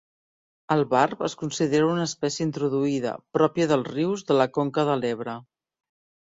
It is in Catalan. El barb es considera una espècie introduïda, pròpia dels rius de la conca de l'Ebre.